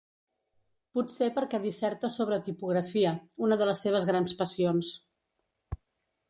Potser perquè disserta sobre tipografia, una de les seves grans passions.